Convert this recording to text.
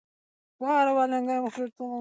مور یې د روژې له لارې ملاتړ کوي.